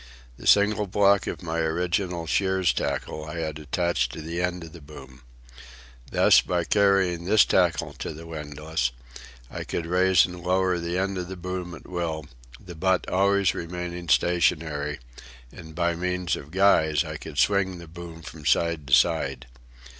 The single block of my original shears tackle I had attached to the end of the boom. Thus, by carrying this tackle to the windlass, I could raise and lower the end of the boom at will, the butt always remaining stationary, and, by means of guys, I could swing the boom from side to side.